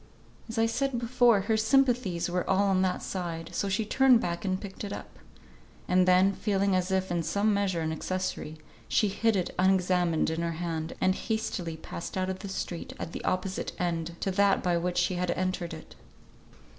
As I said before, her sympathies were all on that side, so she turned back and picked it up; and then feeling as if in some measure an accessory, she hid it unexamined in her hand, and hastily passed out of the street at the opposite end to that by which she had entered it.